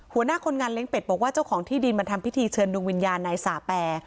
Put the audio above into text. หัวหน้าคนงานเลี้ยเป็ดบอกว่าเจ้าของที่ดินมาทำพิธีเชิญดวงวิญญาณนายสาแป